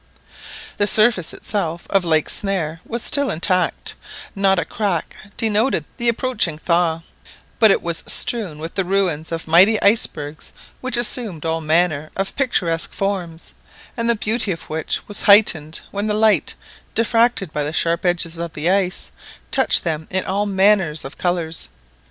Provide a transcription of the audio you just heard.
The surface itself of Lake Snare was still intact, not a crack denoted the approaching thaw; but it was strewn with the ruins of mighty icebergs, which assumed all manner of picturesque forms, and the beauty of which was heightened when the light, diffracted by the sharp edges of the ice, touched them with all manner of colours.